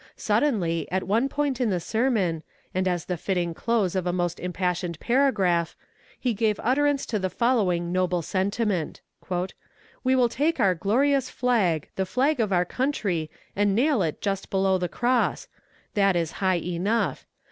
Suddenly, at one point in the sermon, and as the fitting close of a most impassioned paragraph, he gave utterance to the following noble sentiment: "We will take our glorious flag, the flag of our country, and nail it just below the cross! That is high enough.